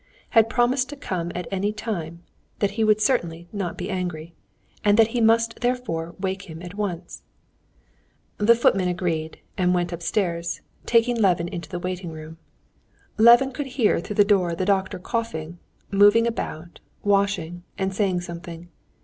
had promised to come at any time; that he would certainly not be angry! and that he must therefore wake him at once. The footman agreed, and went upstairs, taking Levin into the waiting room. Levin could hear through the door the doctor coughing, moving about, washing, and saying something.